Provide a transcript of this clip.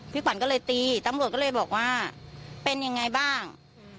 ขวัญก็เลยตีตำรวจก็เลยบอกว่าเป็นยังไงบ้าง